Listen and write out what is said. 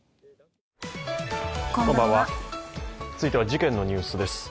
続いては事件のニュースです。